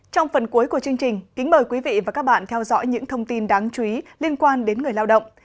trong phần cuối của chương trình kính mời quý vị và các bạn theo dõi những thông tin đáng chú ý liên quan đến người lao động